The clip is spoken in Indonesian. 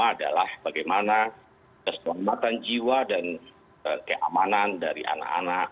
adalah bagaimana keselamatan jiwa dan keamanan dari anak anak